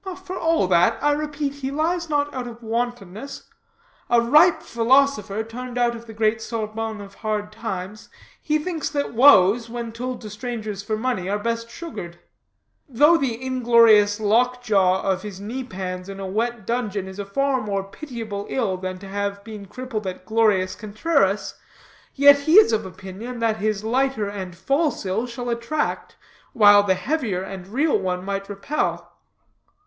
"For all that, I repeat he lies not out of wantonness. A ripe philosopher, turned out of the great Sorbonne of hard times, he thinks that woes, when told to strangers for money, are best sugared. Though the inglorious lock jaw of his knee pans in a wet dungeon is a far more pitiable ill than to have been crippled at glorious Contreras, yet he is of opinion that this lighter and false ill shall attract, while the heavier and real one might repel."